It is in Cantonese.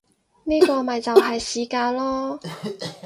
呢個咪就係市價囉